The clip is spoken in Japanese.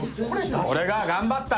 俺が頑張った